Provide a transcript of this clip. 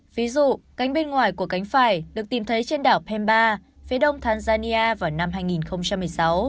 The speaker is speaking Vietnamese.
ví dụ cánh bên ngoài của cánh phải được tìm thấy trên đảo penba phía đông tanzania vào năm hai nghìn một mươi sáu